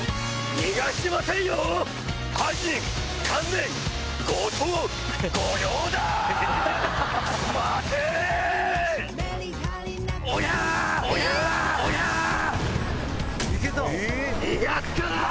逃がすか！